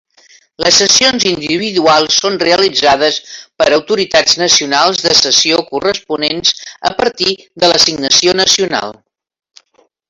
Les cessions individuals són realitzades per autoritats nacionals de cessió corresponents a partir de l'assignació nacional.